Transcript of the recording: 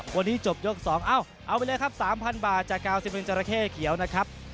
วันนี้จบยก๒เอ้าเอาไปเลยครับ๓๐๐บาทจากกาวซิเมนจราเข้เขียวนะครับ